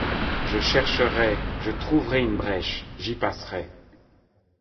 Je chercherai... je trouverai une brèche... j’y passerai...